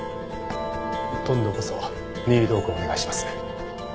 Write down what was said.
今度こそ任意同行お願いします。